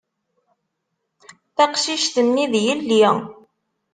Taqcict-nni, d yelli.